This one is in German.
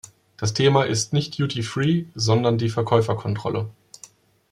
Das Thema ist nicht Duty Free, sondern die Verkäuferkontrolle.